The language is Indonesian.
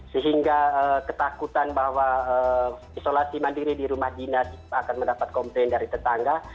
sehingga ketakutan bahwa isolasi mandiri di rumah dinas itu akan mendapat komplain dari tetangga